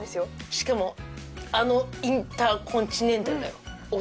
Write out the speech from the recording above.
しかもあのインターコンチネンタルだよ